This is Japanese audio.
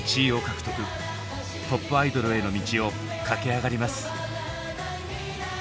トップアイドルへの道を駆け上がります。